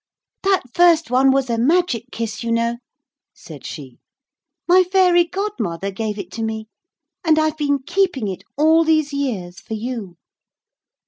'That first one was a magic kiss, you know,' said she. 'My fairy godmother gave it to me, and I've been keeping it all these years for you.